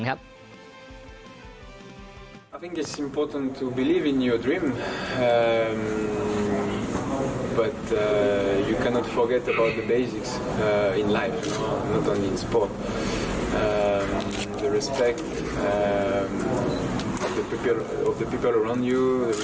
ยังไม่ใช่แบบสมบัติแต่แบบรักษารักษาคนของเธอรักษาครอบครัวเพื่อนของเธอ